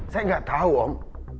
saya gak tau om